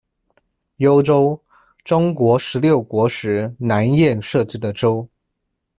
幽州，中国十六国时南燕设置的州。